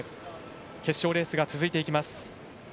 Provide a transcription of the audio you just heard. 決勝レースが続いていきます。